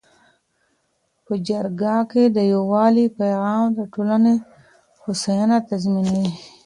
په جرګه کي د یووالي پیغام د ټولنې هوساینه تضمینوي.